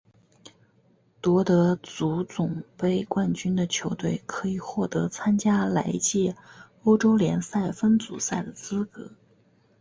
夺得足总杯冠军的球队可以获得参加来届欧洲联赛分组赛的资格。